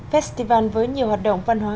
festival với nhiều hoạt động văn hóa